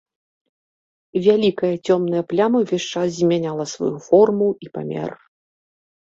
Вялікая цёмная пляма ўвесь час змяняла сваю форму і памер.